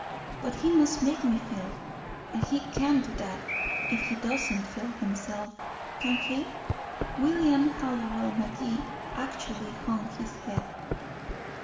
But he must make me feel. And he can't do that if he doesn't feel himself, can he?" William Hallowell Magee actually hung his head.